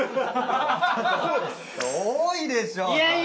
多いでしょ！